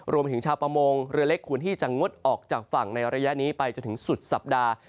รวมถึงชาวประมงเรือเล็กควรที่จะงดออกจากฝั่งในระยะนี้ไปจนถึงสุดสัปดาห์